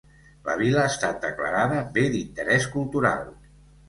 La vila ha estat declarada Bé d'Interès Cultural.